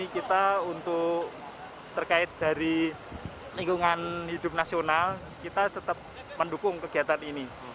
kita untuk terkait dari lingkungan hidup nasional kita tetap mendukung kegiatan ini